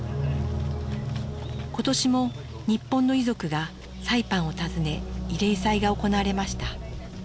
今年も日本の遺族がサイパンを訪ね慰霊祭が行われました。